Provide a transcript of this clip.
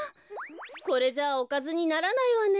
これじゃおかずにならないわね。